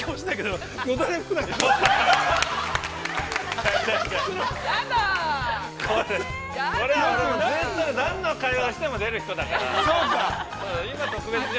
俺もずっと、何の会話しても出る人だから。